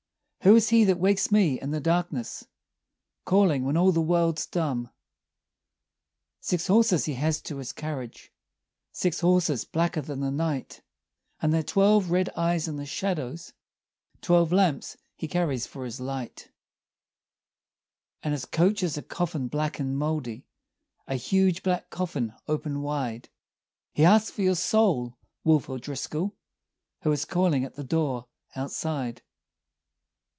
"Who is he that wakes me in the darkness, Calling when all the world's dumb?" "Six horses has he to his carriage, Six horses blacker than the night, And their twelve red eyes in the shadows Twelve lamps he carries for his light; "And his coach is a coffin black and mouldy, A huge black coffin open wide: He asks for your soul, Wolfe O'Driscoll, Who is calling at the door outside."